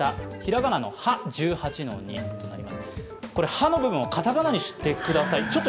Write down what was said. ハの部分を片仮名にしてください。